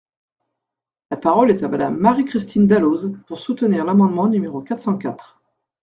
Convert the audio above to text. La parole est à Madame Marie-Christine Dalloz, pour soutenir l’amendement numéro quatre cent quatre.